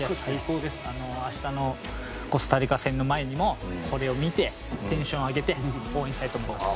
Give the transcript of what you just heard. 明日のコスタリカ戦の前にもこれを見てテンションを上げて応援したいと思います。